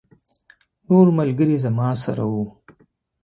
نور ملګري زما سره وو.